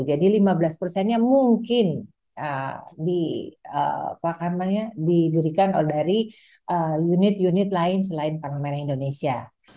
jadi lima belas persennya mungkin diberikan dari unit unit lain selain pala merah indonesia